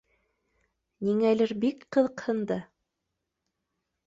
Ниңәлер бик ҡыҙыҡһынды